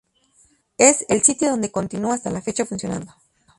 Es el sitio donde continúa hasta la fecha funcionando.